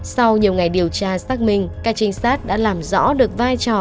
sau nhiều ngày điều tra xác minh các trinh sát đã làm rõ được vai trò